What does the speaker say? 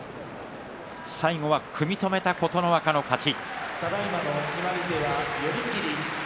最後は組み止めた琴ノ若の勝ち。